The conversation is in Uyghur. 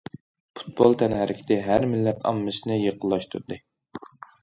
پۇتبول تەنھەرىكىتى ھەر مىللەت ئاممىسىنى يېقىنلاشتۇردى.